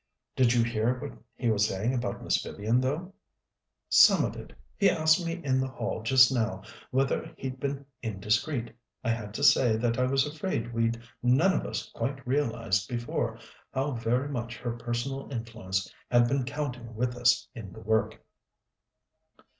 "Did you hear what he was saying about Miss Vivian, though?" "Some of it. He asked me in the hall just now whether he'd been indiscreet. I had to say that I was afraid we'd none of us quite realized before how very much her personal influence had been counting with us in the work."